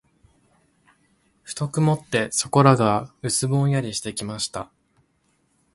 ふと曇って、そこらが薄ぼんやりしてきました。